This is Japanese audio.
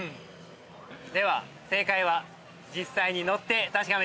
では正解は実際に乗って確かめてみましょう。